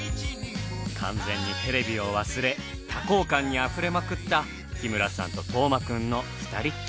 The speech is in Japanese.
完全にテレビを忘れ多幸感にあふれまくった日村さんと斗真くんのふたりっきり旅。